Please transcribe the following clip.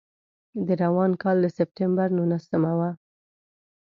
د روان کال د سپټمبر نولسمه وه.